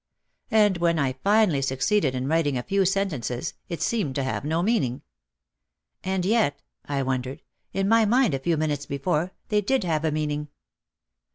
And when I finally succeeded in writing a few sentences it seemed to have no meaning. "And yet," I wondered, "in my mind a few minutes before, they did have meaning."